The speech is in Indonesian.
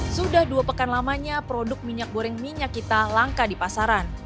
sudah dua pekan lamanya produk minyak goreng minyak kita langka di pasaran